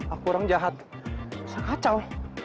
aku orang jahat kacau